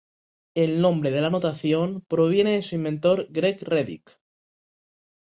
El nombre de la notación proviene de su inventor Greg Reddick.